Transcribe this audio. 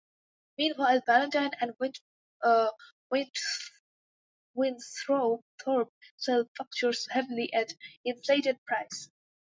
Meanwhile, Valentine and Winthorpe sell futures heavily at the inflated price.